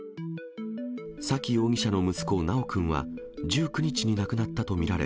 沙喜容疑者の息子、修くんは１９日に亡くなったと見られ、